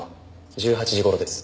１８時頃です。